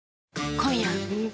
今夜はん